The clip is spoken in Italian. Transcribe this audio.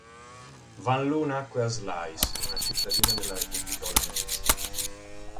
Van Loo nacque a Sluis; una cittadina della Repubblica Olandese.